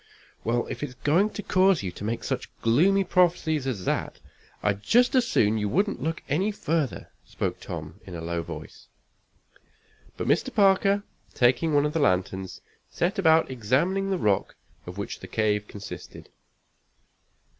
"Well, if it's going to cause you to make such gloomy prophecies as that, I'd just as soon you wouldn't look any further," spoke Tom, in a low voice. But Mr. Parker, taking one of the lanterns, set about examining the rock of which the cave consisted.